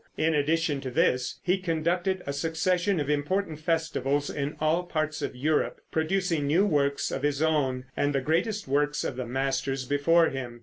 In addition to this he conducted a succession of important festivals in all parts of Europe, producing new works of his own, and the greatest works of the masters before him.